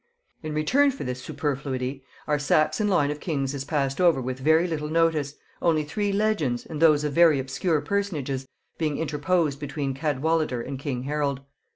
In return for this superfluity, our Saxon line of kings is passed over with very little notice, only three legends, and those of very obscure personages, being interposed between Cadwallader and king Harold.